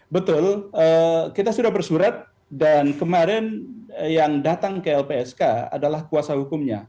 betul kita sudah bersurat dan kemarin yang datang ke lpsk adalah kuasa hukumnya